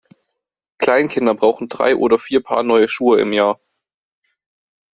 Kleinkinder brauchen drei oder vier Paar neue Schuhe im Jahr.